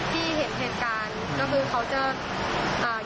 ที่เห็นเหตุการณ์ว่ามันจะเอ่อ